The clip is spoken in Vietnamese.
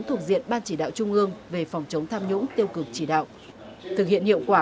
thuộc diện ban chỉ đạo trung ương về phòng chống tham nhũng tiêu cực chỉ đạo thực hiện hiệu quả